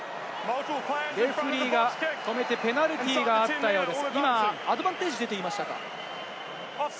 ここはレフェリーが止めてペナルティーがあったようです。